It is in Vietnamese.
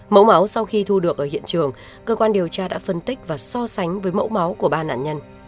mẫu máu sau khi thu được ở hiện trường cơ quan điều tra đã phân tích và so sánh với mẫu máu của ba nạn nhân